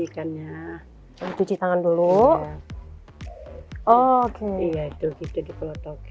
ikannya cuci tangan dulu oke